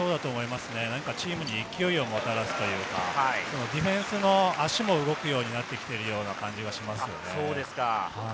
チームに勢いをもたらすというか、ディフェンスの足も動くようになってきているような感じがします。